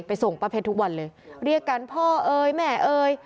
ส่งป้าเพชรทุกวันเลยเรียกกันพ่อเอ่ยแม่เอ่ย